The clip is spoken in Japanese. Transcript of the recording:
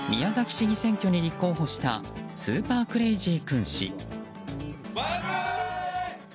市議選挙に立候補したスーパークレイジー君氏。